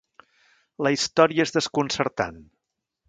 La història és desconcertant.